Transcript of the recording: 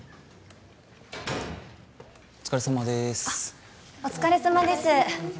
お疲れさまでーすお疲れさまです